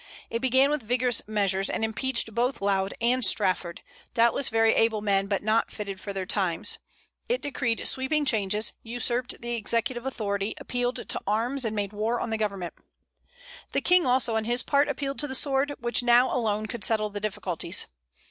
It began with vigorous measures, and impeached both Laud and Strafford, doubtless very able men, but not fitted for their times. It decreed sweeping changes, usurped the executive authority, appealed to arms, and made war on the government. The King also on his part appealed to the sword, which now alone could settle the difficulties.